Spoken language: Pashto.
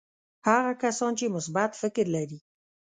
هغه کسان چې مثبت فکر لري.